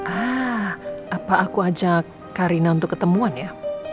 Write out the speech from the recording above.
ah apa aku ajak karina untuk ketemuan ya